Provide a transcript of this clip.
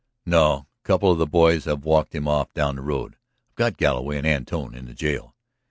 "No. A couple of the boys have walked him off down the road. I've got Galloway and Antone in the jail.